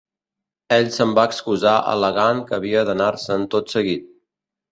Ell se'n va excusar al·legant que havia d'anar-se'n tot seguit.